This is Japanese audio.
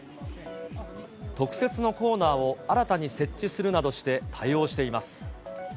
特設のコーナーを新たに設置するなどして、対応しています。